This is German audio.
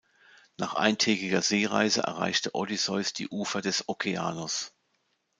Nach eintägiger Seereise erreichte Odysseus die Ufer des Okeanos.